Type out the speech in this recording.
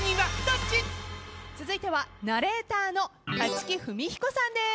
続いてはナレーターの立木文彦さんです。